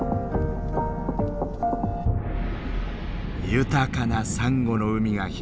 豊かなサンゴの海が広がり